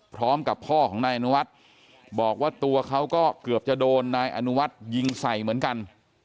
พร้อมกับพ่อของนายอนุวัฒน์บอกว่าตัวเขาก็เกือบจะโดนนายอนุวัฒน์ยิงใส่เหมือนกัน